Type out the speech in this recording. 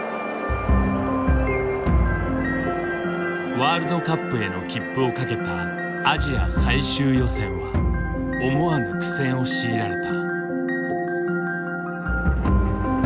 ワールドカップへの切符をかけたアジア最終予選は思わぬ苦戦を強いられた。